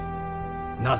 なぜ。